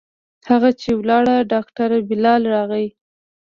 هغه چې ولاړ ډاکتر بلال راغى.